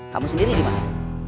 kamu sendiri gimana